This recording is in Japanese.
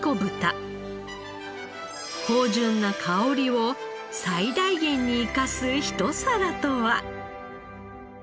芳醇な香りを最大限に生かすひと皿とは？